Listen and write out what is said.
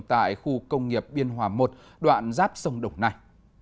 tại khu công nghiệp biên hòa một đoạn giáp sông đồng nai